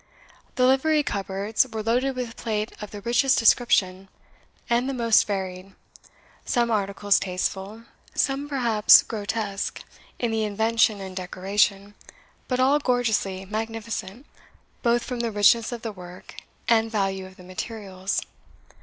The livery cupboards were loaded with plate of the richest description, and the most varied some articles tasteful, some perhaps grotesque, in the invention and decoration, but all gorgeously magnificent, both from the richness of the work and value of the materials.